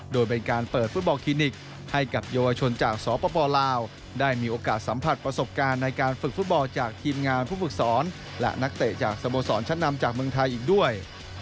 โดยเป็นการเปิดฟุตบอลคลินิกให้กับเยาวชนจากสปลาวได้มีโอกาสสัมผัสประสบการณ์ในการฝึกฟุตบอลจากทีมงานผู้ฝึกสอนและนักเตะจากสโมสรชั้นนำจากเมืองไทยอีกด้วย